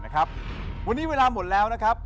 วันนี้เวลาหมดแล้วนะครับ